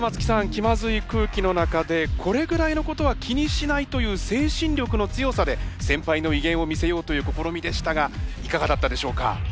気まずい空気の中でこれぐらいのことは気にしないという精神力の強さで先輩の威厳を見せようという試みでしたがいかがだったでしょうか？